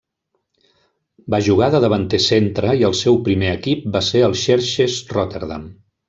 Va jugar de davanter centre i el seu primer equip va ser el Xerxes Rotterdam.